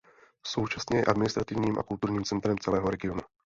Současně je administrativním a kulturním centrem celého regionu.